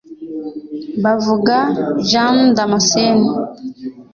Bavuga Jean Damascène